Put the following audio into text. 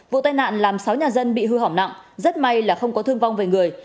vụ tai nạn làm sáu nhà dân bị hư hỏng nặng rất may là không có thương vong về người